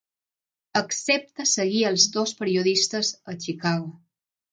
Accepta seguir els dos periodistes a Chicago.